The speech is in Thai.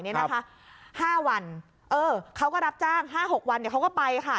เนี้ยนะคะห้าวันเออเขาก็รับจ้างห้าหกวันเนี้ยเขาก็ไปค่ะ